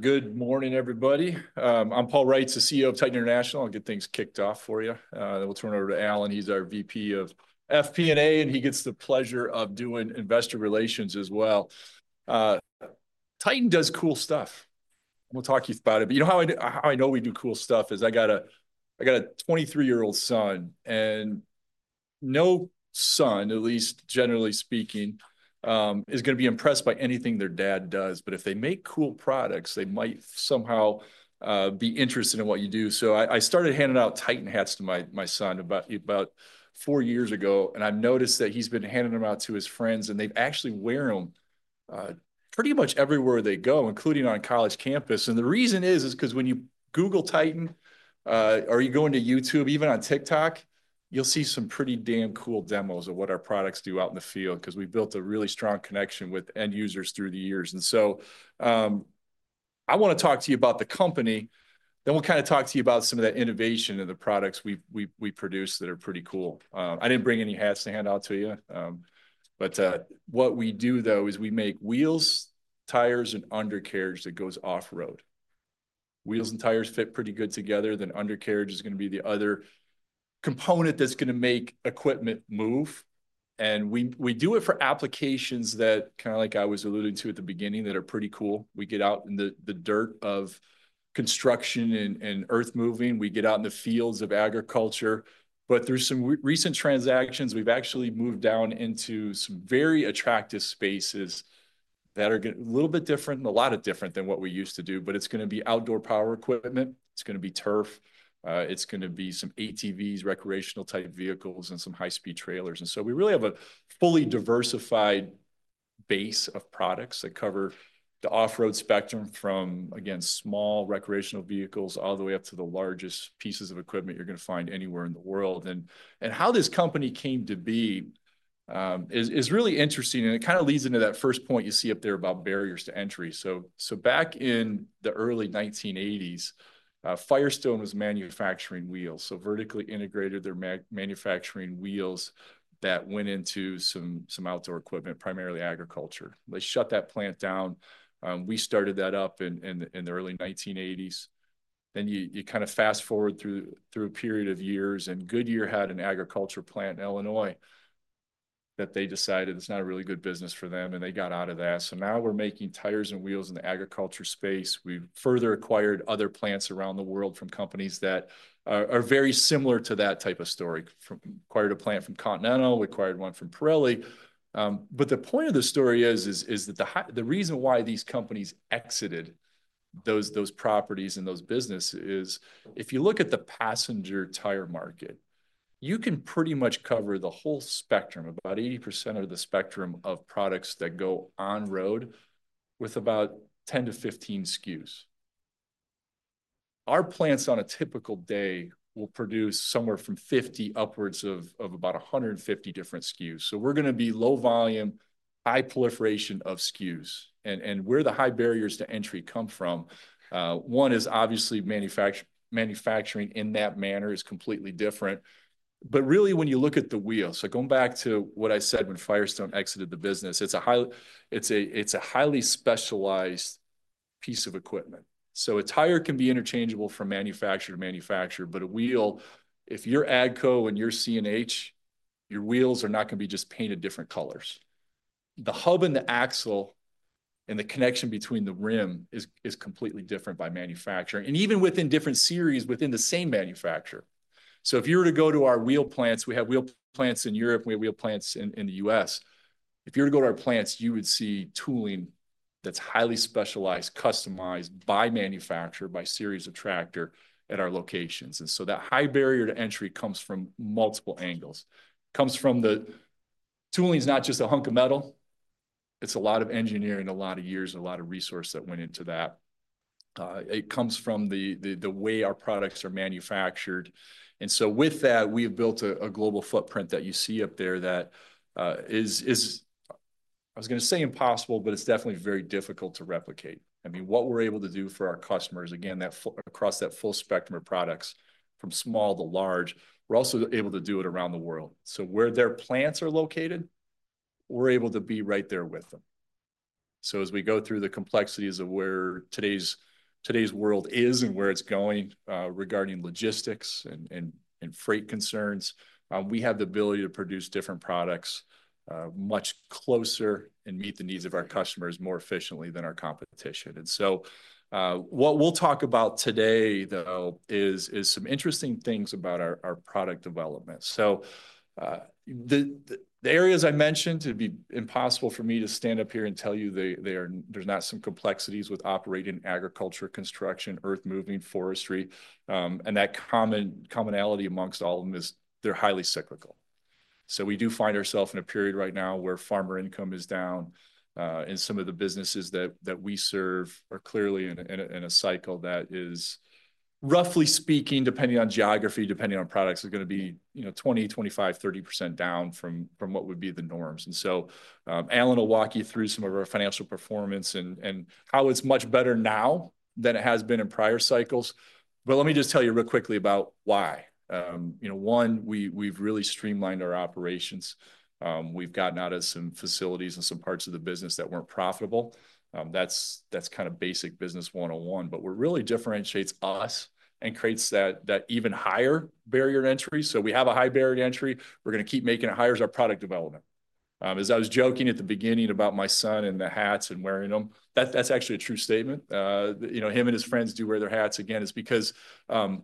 Good morning, everybody. I'm Paul Reitz, the CEO of Titan International. I'll get things kicked off for you. We'll turn it over to Alan. He's our VP of FP&A, and he gets the pleasure of doing investor relations as well. Titan does cool stuff. I'm going to talk to you about it. But you know how I know we do cool stuff is I got a 23-year-old son, and no son, at least generally speaking, is going to be impressed by anything their dad does. But if they make cool products, they might somehow be interested in what you do. So I started handing out Titan hats to my son about four years ago, and I've noticed that he's been handing them out to his friends, and they actually wear them pretty much everywhere they go, including on college campus. And the reason is because when you Google Titan, or you go into YouTube, even on TikTok, you'll see some pretty damn cool demos of what our products do out in the field because we've built a really strong connection with end users through the years. And so I want to talk to you about the company. Then we'll kind of talk to you about some of that innovation and the products we produce that are pretty cool. I didn't bring any hats to hand out to you. But what we do, though, is we make wheels, tires, and undercarriage that goes off-road. Wheels and tires fit pretty good together. Then undercarriage is going to be the other component that's going to make equipment move. And we do it for applications that, kind of like I was alluding to at the beginning, that are pretty cool. We get out in the dirt of construction and earth moving. We get out in the fields of agriculture. But through some recent transactions, we've actually moved down into some very attractive spaces that are a little bit different and a lot different than what we used to do. But it's going to be outdoor power equipment. It's going to be turf. It's going to be some ATVs, recreational-type vehicles, and some high-speed trailers. And so we really have a fully diversified base of products that cover the off-road spectrum from, again, small recreational vehicles all the way up to the largest pieces of equipment you're going to find anywhere in the world. And how this company came to be is really interesting. And it kind of leads into that first point you see up there about barriers to entry. So back in the early 1980s, Firestone was manufacturing wheels. So vertically integrated, they're manufacturing wheels that went into some outdoor equipment, primarily agriculture. They shut that plant down. We started that up in the early 1980s. Then you kind of fast forward through a period of years, and Goodyear had an agriculture plant in Illinois that they decided it's not a really good business for them, and they got out of that. So now we're making tires and wheels in the agriculture space. We've further acquired other plants around the world from companies that are very similar to that type of story. We acquired a plant from Continental. We acquired one from Pirelli. But the point of the story is that the reason why these companies exited those properties and those businesses is if you look at the passenger tire market, you can pretty much cover the whole spectrum, about 80% of the spectrum of products that go on road with about 10 to 15 SKUs. Our plants on a typical day will produce somewhere from 50 upwards of about 150 different SKUs. So we're going to be low volume, high proliferation of SKUs. And where the high barriers to entry come from, one is obviously manufacturing in that manner is completely different. But really, when you look at the wheel, so going back to what I said when Firestone exited the business, it's a highly specialized piece of equipment. A tire can be interchangeable from manufacturer to manufacturer, but a wheel, if you're AGCO and you're CNH, your wheels are not going to be just painted different colors. The hub and the axle and the connection between the rim is completely different by manufacturer, and even within different series within the same manufacturer. If you were to go to our wheel plants, we have wheel plants in Europe. We have wheel plants in the U.S. If you were to go to our plants, you would see tooling that's highly specialized, customized, by manufacturer, by series of tractor at our locations. That high barrier to entry comes from multiple angles. It comes from the tooling, which is not just a hunk of metal. It's a lot of engineering, a lot of years, and a lot of resource that went into that. It comes from the way our products are manufactured, and so with that, we have built a global footprint that you see up there that is, I was going to say impossible, but it's definitely very difficult to replicate. I mean, what we're able to do for our customers, again, across that full spectrum of products from small to large, we're also able to do it around the world, so where their plants are located, we're able to be right there with them. So as we go through the complexities of where today's world is and where it's going regarding logistics and freight concerns, we have the ability to produce different products much closer and meet the needs of our customers more efficiently than our competition, and so what we'll talk about today, though, is some interesting things about our product development. So the areas I mentioned, it'd be impossible for me to stand up here and tell you there's not some complexities with operating agriculture, construction, earth moving, forestry. And that commonality among all of them is they're highly cyclical. So we do find ourselves in a period right now where farmer income is down, and some of the businesses that we serve are clearly in a cycle that is, roughly speaking, depending on geography, depending on products, is going to be 20%, 25%, 30% down from what would be the norms. And so Alan will walk you through some of our financial performance and how it's much better now than it has been in prior cycles. But let me just tell you real quickly about why. One, we've really streamlined our operations. We've gotten out of some facilities and some parts of the business that weren't profitable. That's kind of basic business 101. But what really differentiates us and creates that even higher barrier to entry, so we have a high barrier to entry, we're going to keep making it higher is our product development. As I was joking at the beginning about my son and the hats and wearing them, that's actually a true statement. Him and his friends do wear their hats again. It's because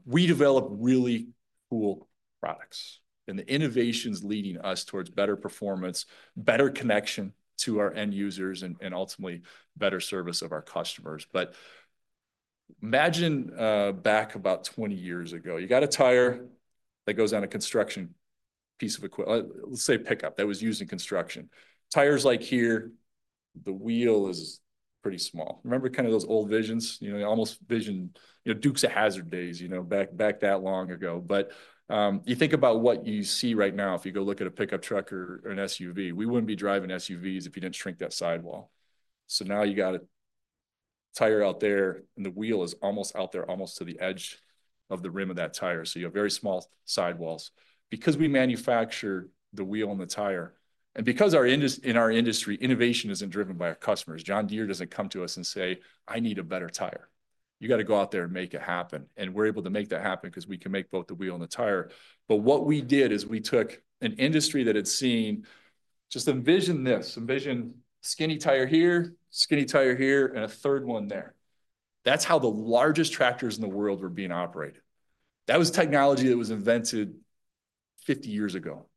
we develop really cool products, and the innovation's leading us towards better performance, better connection to our end users, and ultimately better service of our customers. But imagine back about 20 years ago. You got a tire that goes on a construction piece of equipment, let's say a pickup that was used in construction. Tires like here, the wheel is pretty small. Remember kind of those old visions? You almost envision Dukes of Hazzard days back that long ago. But you think about what you see right now. If you go look at a pickup truck or an SUV, we wouldn't be driving SUVs if you didn't shrink that sidewall. So now you got a tire out there, and the wheel is almost out there almost to the edge of the rim of that tire. So you have very small sidewalls because we manufacture the wheel and the tire. And because in our industry, innovation isn't driven by our customers. John Deere doesn't come to us and say, "I need a better tire." You got to go out there and make it happen. And we're able to make that happen because we can make both the wheel and the tire. But what we did is we took an industry that had seen just envision this. Envision skinny tire here, skinny tire here, and a third one there. That's how the largest tractors in the world were being operated. That was technology that was invented 50 years ago.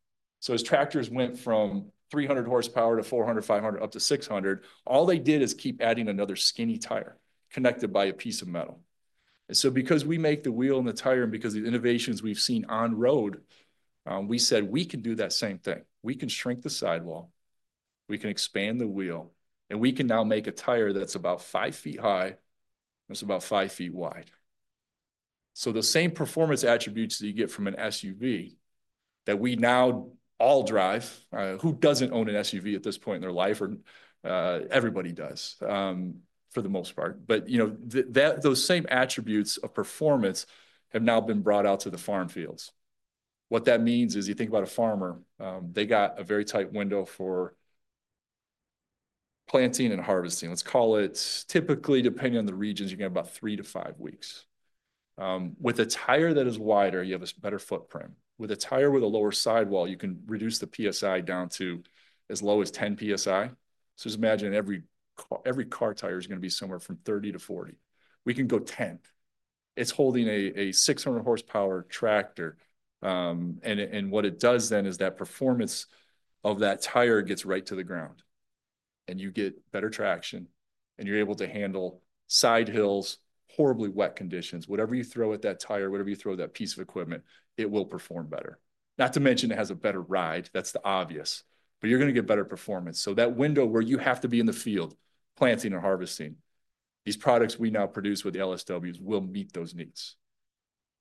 So as tractors went from 300 hp to 400 hp, 500 hp, up to 600 hp, all they did is keep adding another skinny tire connected by a piece of metal. And so because we make the wheel and the tire and because of the innovations we've seen on road, we said we can do that same thing. We can shrink the sidewall. We can expand the wheel. And we can now make a tire that's about 5 ft high and it's about 5 ft wide. So the same performance attributes that you get from an SUV that we now all drive. Who doesn't own an SUV at this point in their life, or everybody does for the most part? But those same attributes of performance have now been brought out to the farm fields. What that means is you think about a farmer. They got a very tight window for planting and harvesting. Let's call it, typically, depending on the regions, you're getting about three to five weeks. With a tire that is wider, you have a better footprint. With a tire with a lower sidewall, you can reduce the PSI down to as low as 10 PSI. So just imagine every car tire is going to be somewhere from 30-40. We can go 10. It's holding a 600 hp tractor. And what it does then is that performance of that tire gets right to the ground. And you get better traction, and you're able to handle side hills, horribly wet conditions. Whatever you throw at that tire, whatever you throw at that piece of equipment, it will perform better. Not to mention it has a better ride. That's the obvious. But you're going to get better performance. So that window where you have to be in the field planting and harvesting, these products we now produce with the LSWs will meet those needs.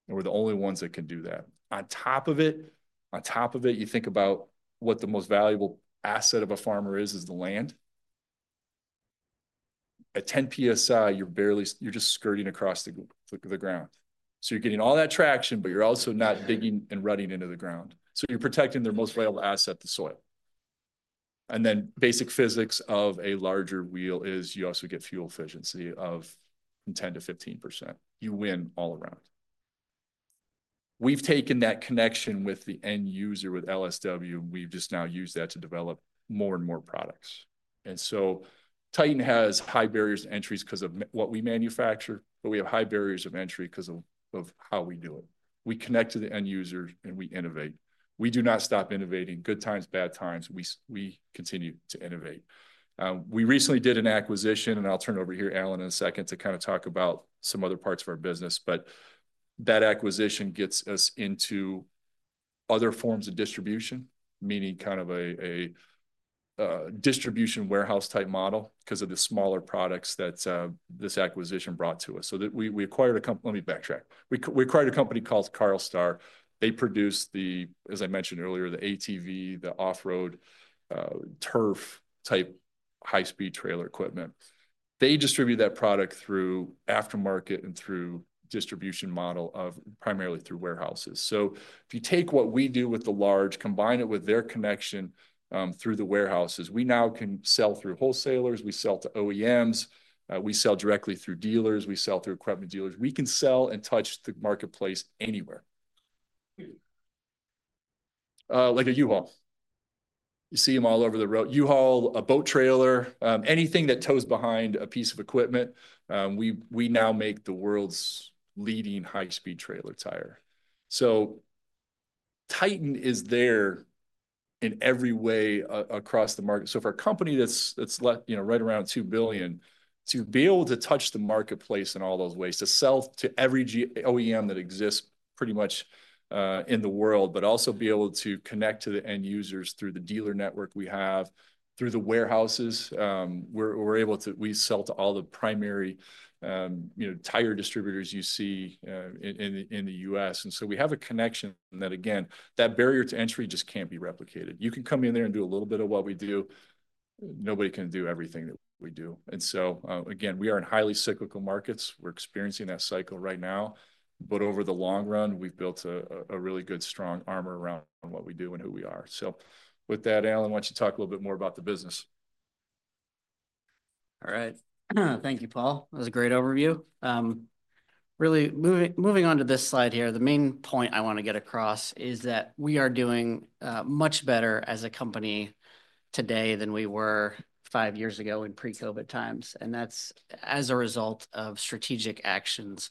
And we're the only ones that can do that. On top of it, on top of it, you think about what the most valuable asset of a farmer is, is the land. At 10 PSI, you're just skirting across the ground. So you're getting all that traction, but you're also not digging and rutting into the ground. So you're protecting their most valuable asset, the soil. And then basic physics of a larger wheel is you also get fuel efficiency of 10%-15%. You win all around. We've taken that connection with the end user with LSW, and we've just now used that to develop more and more products and so Titan has high barriers to entry because of what we manufacture, but we have high barriers of entry because of how we do it. We connect to the end user, and we innovate. We do not stop innovating. Good times, bad times, we continue to innovate. We recently did an acquisition, and I'll turn over here, Alan, in a second to kind of talk about some other parts of our business but that acquisition gets us into other forms of distribution, meaning kind of a distribution warehouse-type model because of the smaller products that this acquisition brought to us so we acquired a company let me backtrack. We acquired a company called Carlstar. They produce the, as I mentioned earlier, the ATV, the off-road, turf-type high-speed trailer equipment. They distribute that product through aftermarket and through distribution model of primarily through warehouses. So if you take what we do with the large, combine it with their connection through the warehouses, we now can sell through wholesalers. We sell to OEMs. We sell directly through dealers. We sell through equipment dealers. We can sell and touch the marketplace anywhere. Like a U-Haul. You see them all over the road. U-Haul, a boat trailer, anything that tows behind a piece of equipment, we now make the world's leading high-speed trailer tire. So Titan is there in every way across the market. For a company that's right around $2 billion, to be able to touch the marketplace in all those ways, to sell to every OEM that exists pretty much in the world, but also be able to connect to the end users through the dealer network we have, through the warehouses, we're able to sell to all the primary tire distributors you see in the U.S. And so we have a connection that, again, the barrier to entry just can't be replicated. You can come in there and do a little bit of what we do. Nobody can do everything that we do. And so, again, we are in highly cyclical markets. We're experiencing that cycle right now. But over the long run, we've built a really good, strong armor around what we do and who we are. So with that, Alan, why don't you talk a little bit more about the business? All right. Thank you, Paul. That was a great overview. Really moving on to this slide here, the main point I want to get across is that we are doing much better as a company today than we were five years ago in pre-COVID times. And that's as a result of strategic actions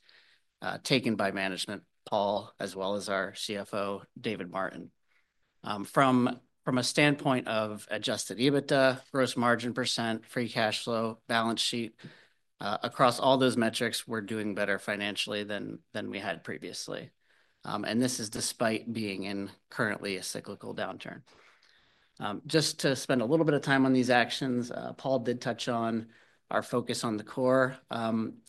taken by management, Paul, as well as our CFO, David Martin. From a standpoint of Adjusted EBITDA, gross margin %, free cash flow, balance sheet, across all those metrics, we're doing better financially than we had previously. And this is despite being in currently a cyclical downturn. Just to spend a little bit of time on these actions, Paul did touch on our focus on the core.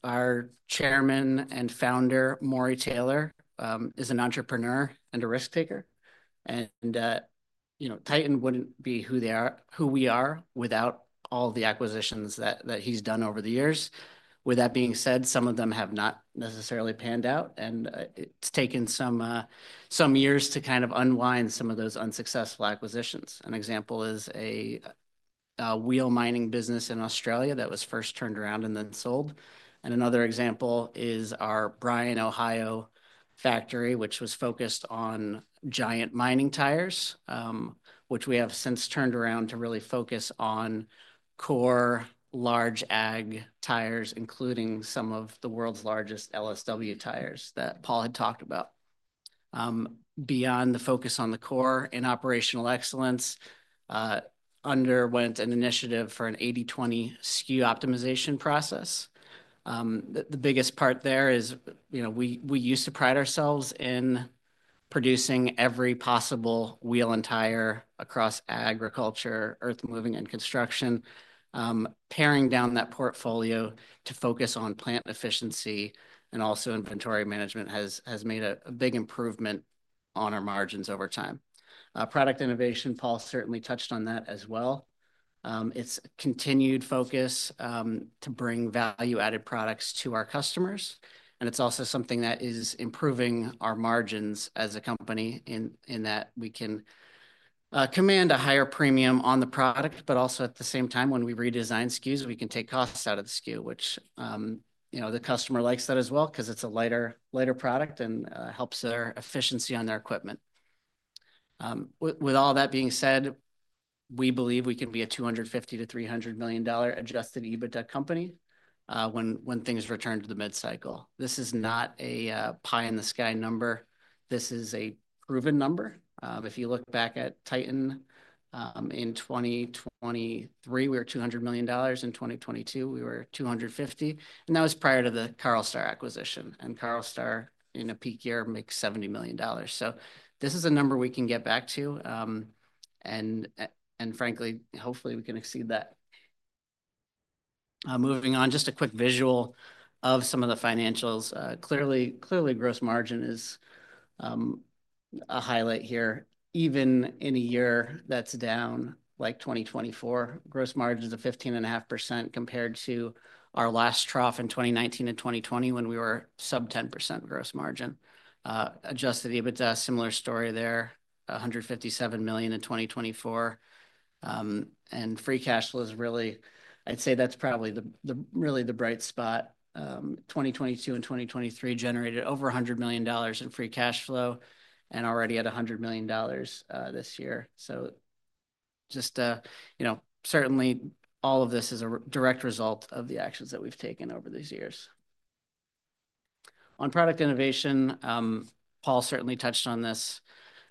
Our chairman and founder, Morry Taylor, is an entrepreneur and a risk taker. Titan wouldn't be who we are without all the acquisitions that he's done over the years. With that being said, some of them have not necessarily panned out, and it's taken some years to kind of unwind some of those unsuccessful acquisitions. An example is a wheel mining business in Australia that was first turned around and then sold. Another example is our Bryan, Ohio factory, which was focused on giant mining tires, which we have since turned around to really focus on core large ag tires, including some of the world's largest LSW tires that Paul had talked about. Beyond the focus on the core and operational excellence, we underwent an initiative for an 80/20 SKU optimization process. The biggest part there is we used to pride ourselves in producing every possible wheel and tire across agriculture, earth moving, and construction, paring down that portfolio to focus on plant efficiency, and also inventory management has made a big improvement on our margins over time. Product innovation, Paul certainly touched on that as well. It's continued focus to bring value-added products to our customers. And it's also something that is improving our margins as a company in that we can command a higher premium on the product, but also at the same time, when we redesign SKUs, we can take costs out of the SKU, which the customer likes that as well because it's a lighter product and helps their efficiency on their equipment. With all that being said, we believe we can be a $250-$300 million Adjusted EBITDA company when things return to the mid-cycle. This is not a pie-in-the-sky number. This is a proven number. If you look back at Titan in 2023, we were $200 million. In 2022, we were $250 million, and that was prior to the Carlstar acquisition, and Carlstar, in a peak year, makes $70 million, so this is a number we can get back to, and frankly, hopefully, we can exceed that. Moving on, just a quick visual of some of the financials. Clearly, gross margin is a highlight here. Even in a year that's down like 2024, gross margin is a 15.5% compared to our last trough in 2019 and 2020 when we were sub 10% gross margin. Adjusted EBITDA, similar story there, $157 million in 2024, and free cash flow is really, I'd say that's probably really the bright spot. 2022 and 2023 generated over $100 million in free cash flow and already at $100 million this year. So just certainly, all of this is a direct result of the actions that we've taken over these years. On product innovation, Paul certainly touched on this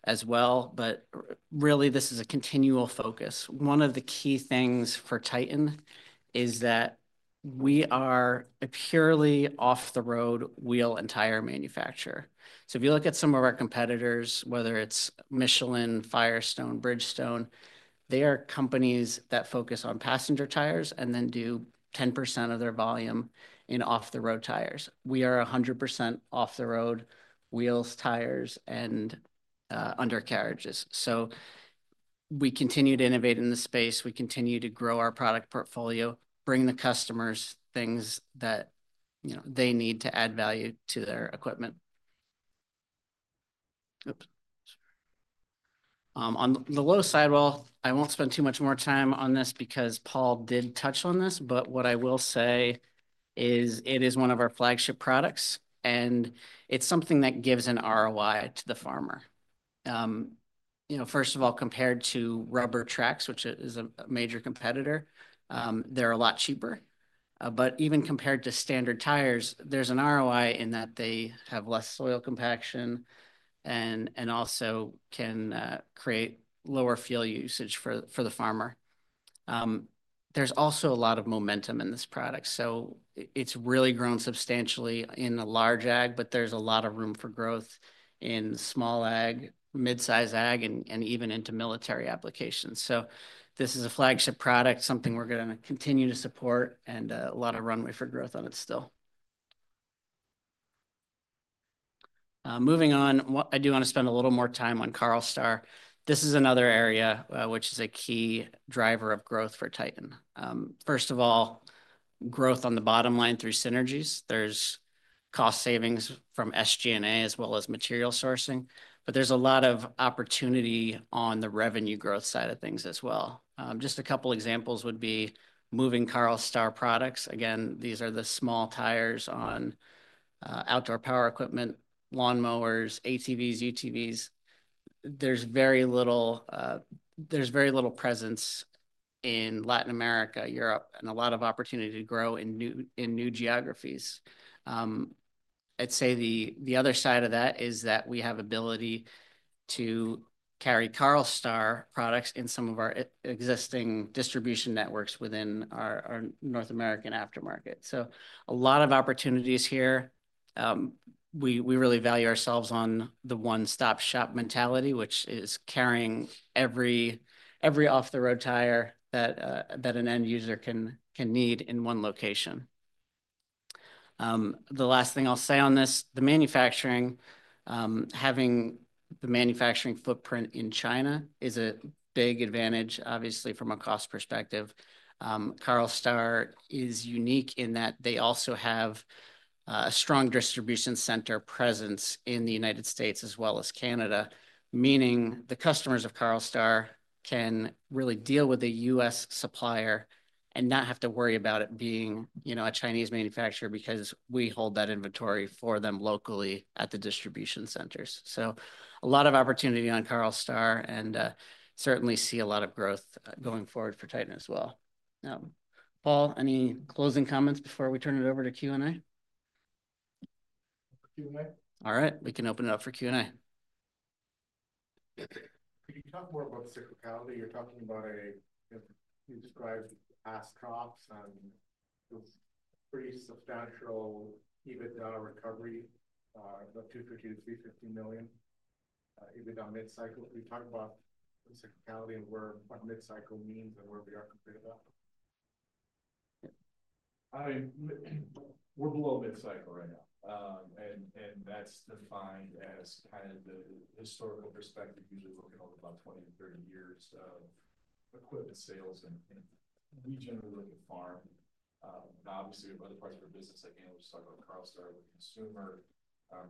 as well, but really, this is a continual focus. One of the key things for Titan is that we are a purely off-the-road wheel and tire manufacturer. So if you look at some of our competitors, whether it's Michelin, Firestone, Bridgestone, they are companies that focus on passenger tires and then do 10% of their volume in off-the-road tires. We are 100% off-the-road wheels, tires, and undercarriages. So we continue to innovate in the space. We continue to grow our product portfolio, bring the customers things that they need to add value to their equipment. On the Low Sidewall, I won't spend too much more time on this because Paul did touch on this, but what I will say is it is one of our flagship products, and it's something that gives an ROI to the farmer. First of all, compared to rubber tracks, which is a major competitor, they're a lot cheaper. But even compared to standard tires, there's an ROI in that they have less soil compaction and also can create lower fuel usage for the farmer. There's also a lot of momentum in this product. So it's really grown substantially in the large ag, but there's a lot of room for growth in small ag, mid-size ag, and even into military applications. So this is a flagship product, something we're going to continue to support, and a lot of runway for growth on it still. Moving on, I do want to spend a little more time on Carlstar. This is another area which is a key driver of growth for Titan. First of all, growth on the bottom line through synergies. There's cost savings from SG&A as well as material sourcing, but there's a lot of opportunity on the revenue growth side of things as well. Just a couple of examples would be moving Carlstar products. Again, these are the small tires on outdoor power equipment, lawn mowers, ATVs, UTVs. There's very little presence in Latin America, Europe, and a lot of opportunity to grow in new geographies. I'd say the other side of that is that we have ability to carry Carlstar products in some of our existing distribution networks within our North American aftermarket. So a lot of opportunities here. We really value ourselves on the one-stop shop mentality, which is carrying every off-the-road tire that an end user can need in one location. The last thing I'll say on this, the manufacturing, having the manufacturing footprint in China is a big advantage, obviously, from a cost perspective. Carlstar is unique in that they also have a strong distribution center presence in the United States as well as Canada, meaning the customers of Carlstar can really deal with a U.S. supplier and not have to worry about it being a Chinese manufacturer because we hold that inventory for them locally at the distribution centers. So a lot of opportunity on Carlstar and certainly see a lot of growth going forward for Titan as well. Now, Paul, any closing comments before we turn it over to Q&A? For Q&A? All right. We can open it up for Q&A. Can you talk more about the cyclicality? You're talking about, you described past troughs and it was pretty substantial EBITDA recovery, about $250 million-$350 million EBITDA mid-cycle. Can you talk about the cyclicality and what mid-cycle means and where we are currently at? We're below mid-cycle right now, and that's defined as kind of the historical perspective, usually looking over about 20-30 years of equipment sales, and we generally look at farm. Obviously, with other parts of our business, again, we're just talking about Carlstar, the consumer.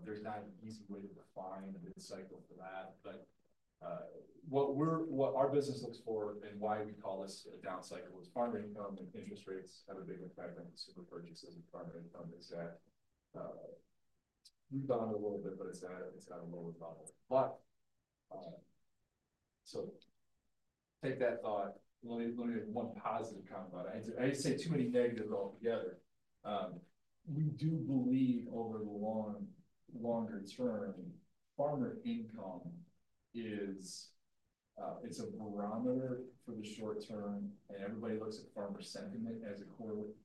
There's not an easy way to define the mid-cycle for that, but what our business looks for and why we call this a down cycle is farm income and interest rates have a big impact on consumer purchases and farm income. We've gone a little bit, but it's got a lower bottom. So take that thought. Let me make one positive comment about it. I didn't say too many negatives altogether. We do believe over the longer term, farmer income, it's a barometer for the short term, and everybody looks at farmer sentiment as a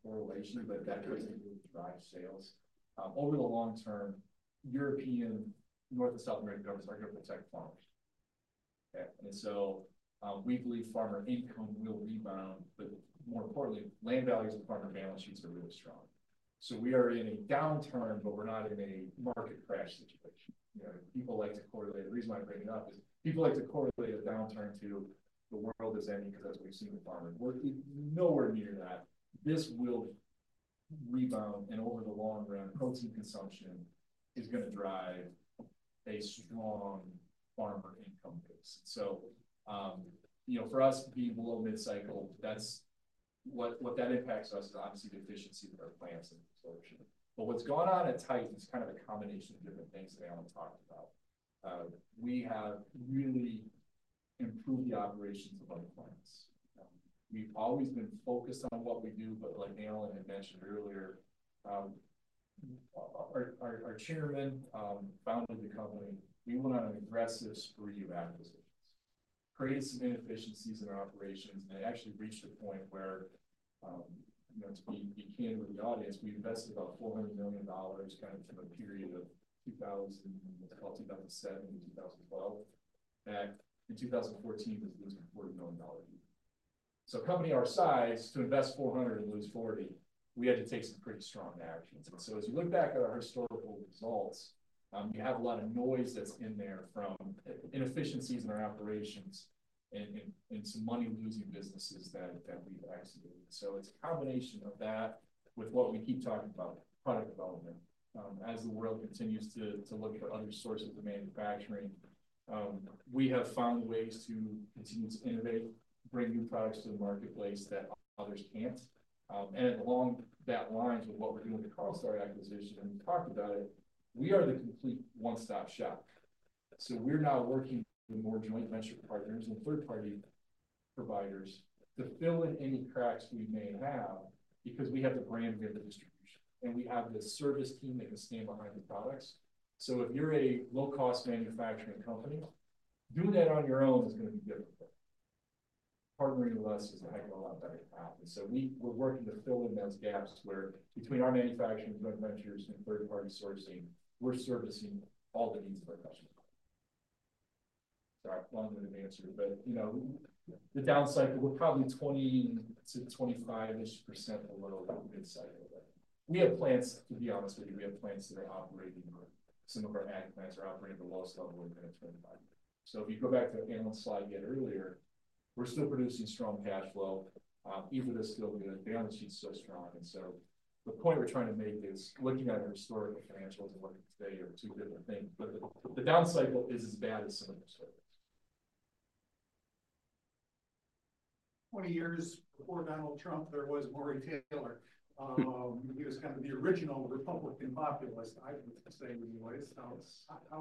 correlation, but that doesn't really drive sales. Over the long term, Europe, North America, and South America are going to protect farmers, and so we believe farmer income will rebound, but more importantly, land values and farmer balance sheets are really strong, so we are in a downturn, but we're not in a market crash situation. People like to correlate. The reason why I bring it up is people like to correlate a downturn to the world is ending because, as we've seen, the farmer is nowhere near that. This will rebound, and over the long run, protein consumption is going to drive a strong farmer income base, so for us, being below mid-cycle, what that impacts us is obviously the efficiency of our plants and absorption. But what's going on at Titan is kind of a combination of different things that Alan talked about. We have really improved the operations of our plants. We've always been focused on what we do, but like Alan had mentioned earlier, our chairman founded the company. We went on an aggressive spree of acquisitions, created some inefficiencies in our operations, and it actually reached a point where, to be candid with the audience, we invested about $400 million kind of from a period of 2000, what's called 2007 to 2012, back in 2014. It was a $40 million deal, so a company our size, to invest $400 and lose $40, we had to take some pretty strong actions, and so as you look back at our historical results, you have a lot of noise that's in there from inefficiencies in our operations and some money-losing businesses that we've executed, so it's a combination of that with what we keep talking about, product development. As the world continues to look for other sources of manufacturing, we have found ways to continue to innovate, bring new products to the marketplace that others can't. And along those lines with what we're doing with Carlstar acquisition, and we've talked about it, we are the complete one-stop shop. So we're now working with more joint venture partners and third-party providers to fill in any cracks we may have because we have the brand, we have the distribution, and we have the service team that can stand behind the products. So if you're a low-cost manufacturing company, doing that on your own is going to be difficult. Partnering with us is going to make it a lot better to have. And so we're working to fill in those gaps where between our manufacturing, joint ventures, and third-party sourcing, we're servicing all the needs of our customers. Sorry, long-winded answer, but the down cycle, we're probably 20%-25%-ish below the mid-cycle. We have plants, to be honest with you, we have plants that are operating, or some of our ag plants are operating at the lowest level we've been in 25 years. So if you go back to Alan's slide yet earlier, we're still producing strong cash flow. EBITDA is still good. Balance sheet is so strong. And so the point we're trying to make is looking at our historical financials and looking today are two different things, but the down cycle is as bad as some of the historical. 20 years before Donald Trump, there was Maurice Taylor. He was kind of the original Republican populist, I would say, anyways. How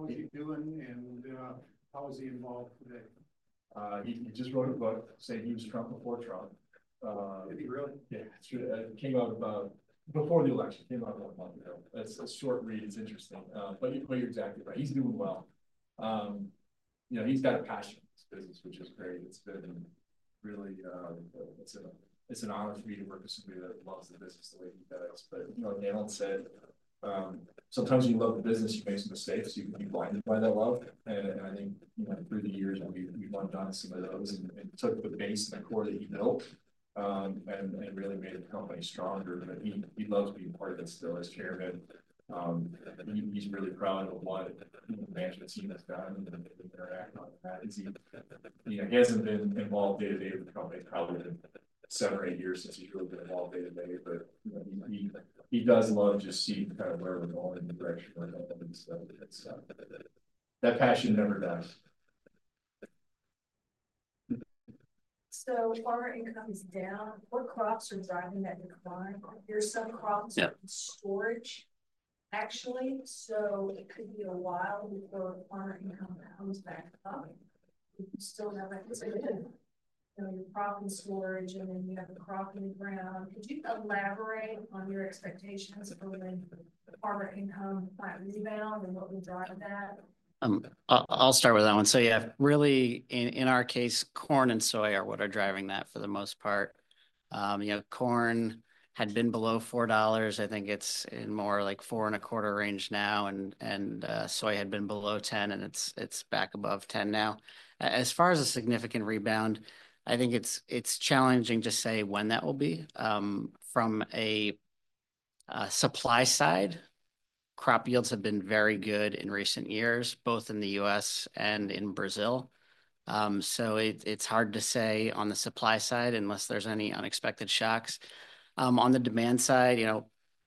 is he doing and how is he involved today? He just wrote a book saying he was Trump before Trump. Did he really? Yeah. It came out about before the election, came out about a month ago. It's a short read. It's interesting, but you're exactly right. He's doing well. He's got a passion for this business, which is great. It's been really, it's an honor for me to work with somebody that loves the business the way he does. But like Alan said, sometimes when you love the business, you make some mistakes. You can be blinded by that love, and I think through the years, we've undone some of those and took the base and the core that he built and really made the company stronger. But he loves being part of it still as chairman. He's really proud of what the management team has done and interacted on that. He hasn't been involved day-to-day with the company. Probably been seven or eight years since he's really been involved day-to-day, but he does love to just see kind of where we're going in the direction we're going and stuff like that, so that passion never dies. Farmer income is down. What crops are driving that decline? There's some crops in storage, actually. It could be a while before farmer income comes back up. You still have that crop in storage, and then you have the crop in the ground. Could you elaborate on your expectations for when farmer income might rebound and what will drive that? I'll start with that one. So yeah, really, in our case, corn and soy are what are driving that for the most part. Corn had been below $4. I think it's in more like $4.25 range now, and soy had been below $10, and it's back above $10 now. As far as a significant rebound, I think it's challenging to say when that will be. From a supply side, crop yields have been very good in recent years, both in the U.S. and in Brazil. So it's hard to say on the supply side unless there's any unexpected shocks. On the demand side,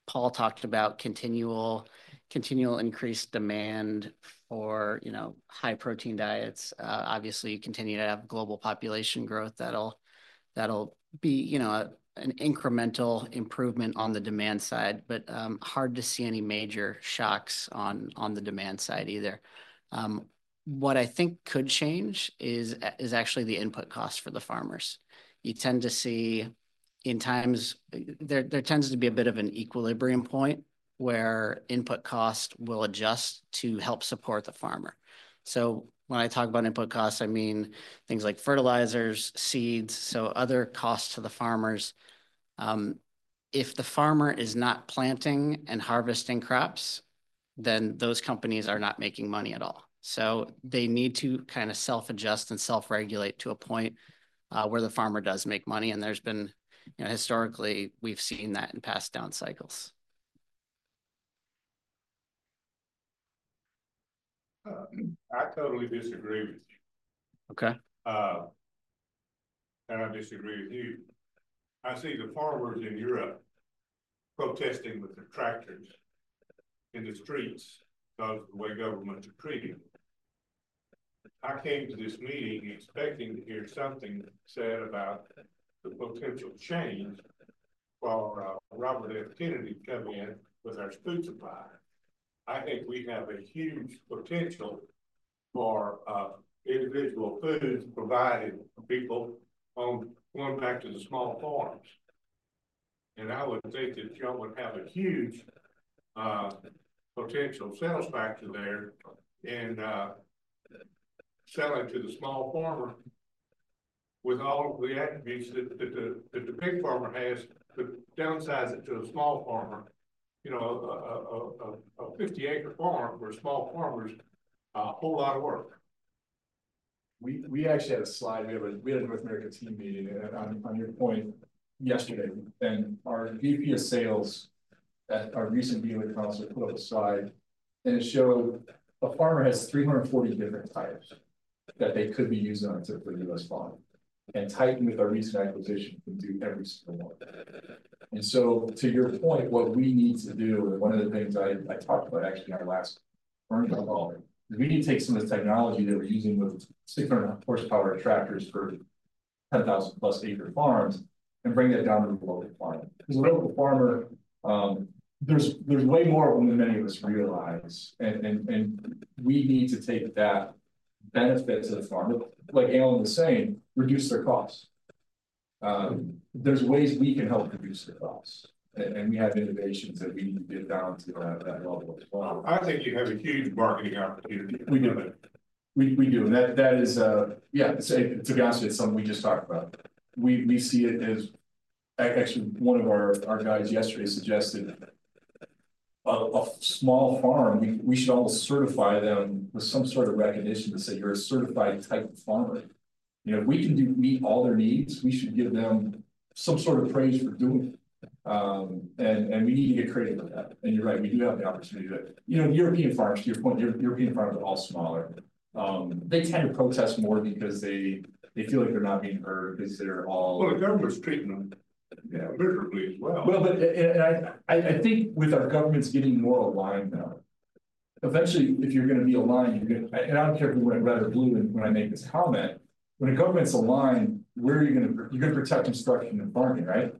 Paul talked about continual increased demand for high-protein diets. Obviously, you continue to have global population growth. That'll be an incremental improvement on the demand side, but hard to see any major shocks on the demand side either. What I think could change is actually the input cost for the farmers. You tend to see in times, there tends to be a bit of an equilibrium point where input cost will adjust to help support the farmer. So when I talk about input cost, I mean things like fertilizers, seeds, so other costs to the farmers. If the farmer is not planting and harvesting crops, then those companies are not making money at all. So they need to kind of self-adjust and self-regulate to a point where the farmer does make money. And there's been historically, we've seen that in past down cycles. I totally disagree with you, and I disagree with you. I see the farmers in Europe protesting with their tractors in the streets because of the way governments are treating them. I came to this meeting expecting to hear something said about the potential change for Robert F. Kennedy Jr. to come in with our food supply. I think we have a huge potential for individual foods provided for people on going back to the small farms, and I would think that Joe would have a huge potential sales factor there in selling to the small farmer with all of the attributes that the big farmer has, but downsize it to a small farmer, a 50-acre farm where small farmers are a whole lot of work. We actually had a slide. We had a North America team meeting. On your point yesterday, then our VP of sales, our recent dealer council, put up a slide, and it showed a farmer has 340 different types that they could be using on a typical U.S. farm. And Titan, with our recent acquisition, can do every single one. And so to your point, what we need to do, and one of the things I talked about actually in our last, we need to take some of the technology that we're using with 650 hp tractors for 10,000+ ac farms and bring that down to the local farmer. Because the local farmer, there's way more of them than many of us realize. And we need to take that benefit to the farmer. Like Alan was saying, reduce their costs. There's ways we can help reduce their costs. We have innovations that we need to get down to that level as well. I think you have a huge marketing opportunity. We do. We do. And that is, yeah, to be honest with you, it's something we just talked about. We see it as actually one of our guys yesterday suggested a small farm, we should almost certify them with some sort of recognition to say, "You're a certified type of farmer." If we can meet all their needs, we should give them some sort of praise for doing it. And we need to get creative with that. And you're right, we do have the opportunity to. The European farmers, to your point, European farmers are all smaller. They tend to protest more because they feel like they're not being heard because they're all. The government's treating them differently as well. But I think with our governments getting more aligned now, eventually, if you're going to be aligned, and I don't care if we went red or blue when I make this comment, when a government's aligned, you're going to protect construction and farming, right?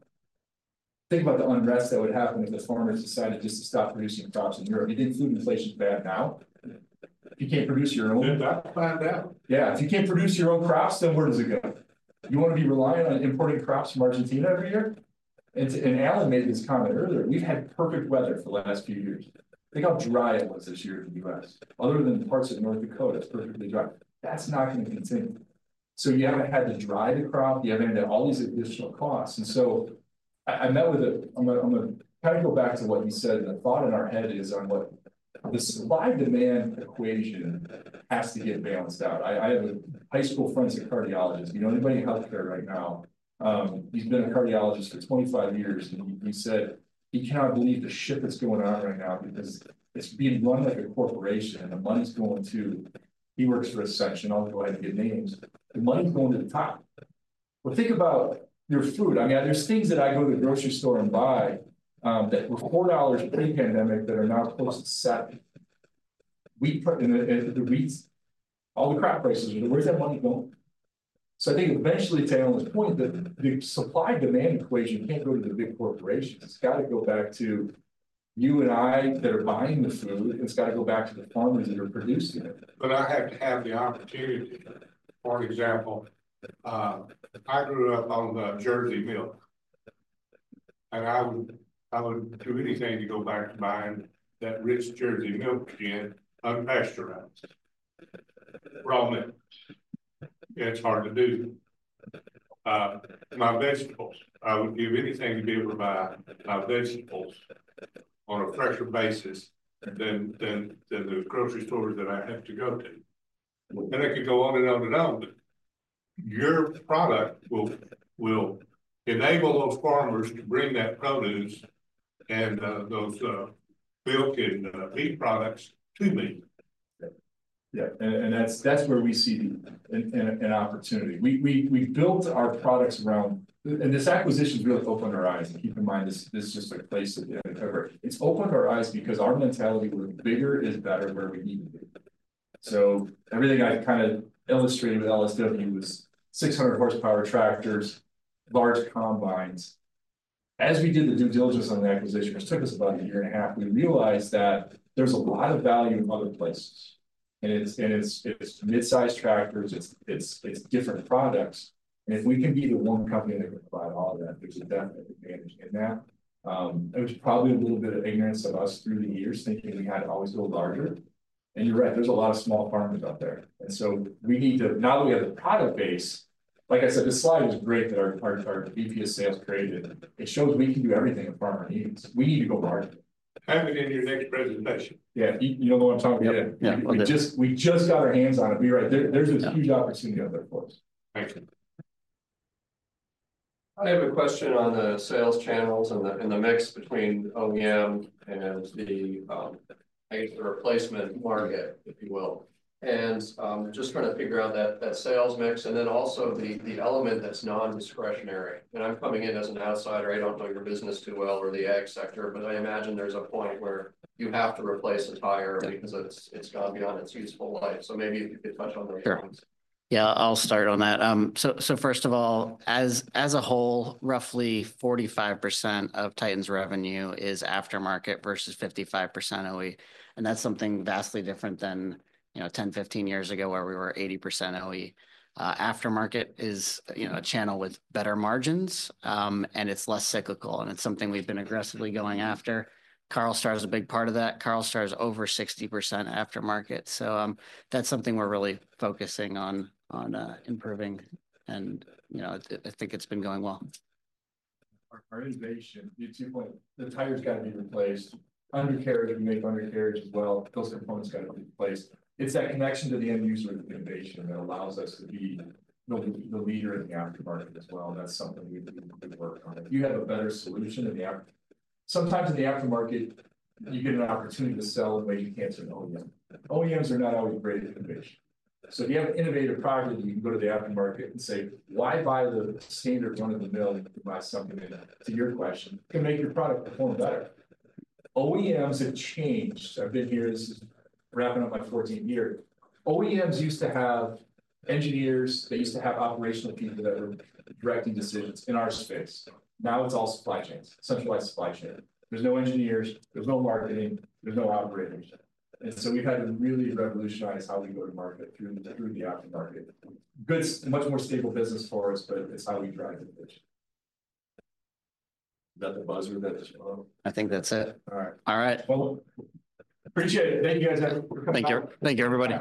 Think about the unrest that would happen if the farmers decided just to stop producing crops in Europe. You know food inflation's bad now. If you can't produce your own. That's flat out. Yeah. If you can't produce your own crops, then where does it go? You want to be reliant on importing crops from Argentina every year? And Alan made this comment earlier. We've had perfect weather for the last few years. Think how dry it was this year in the U.S. other than parts of North Dakota, it's perfectly dry. That's not going to continue. So you haven't had to dry the crop. You haven't had all these additional costs. And so I met with a. I'm going to kind of go back to what you said. The thought in our head is on what the supply-demand equation has to get balanced out. I have a high school friend who's a cardiologist. You know anybody in healthcare right now? He's been a cardiologist for 25 years. He said he cannot believe the shit that's going on right now because it's being run like a corporation and the money's going to. He works for Ascension. I'll go ahead and get names. The money's going to the top. Think about your food. I mean, there's things that I go to the grocery store and buy that were $4 pre-pandemic that are now close to $7. All the crap prices are there. Where's that money going? I think eventually, to Alan's point, the supply-demand equation can't go to the big corporations. It's got to go back to you and I that are buying the food, and it's got to go back to the farmers that are producing it. But I have to have the opportunity. For example, I grew up on Jersey milk. And I would do anything to go back to buying that rich Jersey milk again, unpasteurized, raw milk. It's hard to do. My vegetables, I would give anything to be able to buy my vegetables on a fresher basis than the grocery stores that I have to go to. And I could go on and on and on, but your product will enable those farmers to bring that produce and those milk and beef products to me. Yeah. And that's where we see an opportunity. We built our products around, and this acquisition really opened our eyes. Keep in mind, this is just a place that we uncovered. It's opened our eyes because our mentality was bigger is better where we needed it. So everything I kind of illustrated with LSW was 600-hp tractors, large combines. As we did the due diligence on the acquisition, which took us about a year and a half, we realized that there's a lot of value in other places. And it's midsize tractors. It's different products. And if we can be the one company that can provide all of that, there's a definite advantage in that. It was probably a little bit of ignorance of us through the years thinking we had to always go larger. And you're right, there's a lot of small farmers out there. We need to, now that we have the product base, like I said, this slide is great that our VP of sales created. It shows we can do everything a farmer needs. We need to go larger. Have it in your next presentation. Yeah. You know what I'm talking about? We just got our hands on it. We were right. There's a huge opportunity out there for us. Thank you. I have a question on the sales channels and the mix between OEM and the, I guess, the replacement market, if you will. And just trying to figure out that sales mix and then also the element that's non-discretionary. And I'm coming in as an outsider. I don't know your business too well or the ag sector, but I imagine there's a point where you have to replace a tire because it's gone beyond its useful life. So maybe if you could touch on those points. Sure. Yeah. I'll start on that, so first of all, as a whole, roughly 45% of Titan's revenue is aftermarket versus 55% OE, and that's something vastly different than 10, 15 years ago where we were 80% OE. Aftermarket is a channel with better margins, and it's less cyclical, and it's something we've been aggressively going after. Carlstar is a big part of that. Carlstar is over 60% aftermarket, so that's something we're really focusing on improving, and I think it's been going well. Our innovation. You too point, the tire's got to be replaced. Undercarriage, we make undercarriage as well. Those components got to be replaced. It's that connection to the end user of the innovation that allows us to be the leader in the aftermarket as well. That's something we work on. If you have a better solution in the aftermarket, sometimes in the aftermarket, you get an opportunity to sell in ways you can't to an OEM. OEMs are not always great at innovation. So if you have an innovative product, you can go to the aftermarket and say, "Why buy the standard run-of-the-mill if you buy something?" To your question, it can make your product perform better. OEMs have changed. I've been here wrapping up my 14th year. OEMs used to have engineers. They used to have operational people that were directing decisions in our space. Now it's all supply chains, centralized supply chain. There's no engineers. There's no marketing. There's no operators. And so we've had to really revolutionize how we go to market through the aftermarket. Goodyear's much more stable business for us, but it's how we drive innovation. Is that the buzzer that's? I think that's it. All right. Appreciate it. Thank you guys for coming out. Thank you. Thank you, everybody.